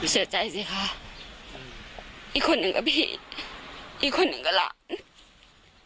เสียใจสิคะอีกคนหนึ่งก็ผิดอีกคนหนึ่งก็หลาน